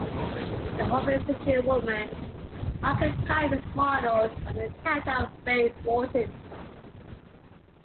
The "Holby City woman" archetype is modelled on the character of Faye Morton.